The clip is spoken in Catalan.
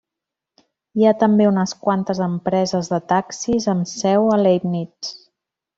Hi ha també unes quantes empreses de taxis amb seu a Leibnitz.